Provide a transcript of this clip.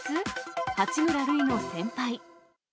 八村塁の先輩。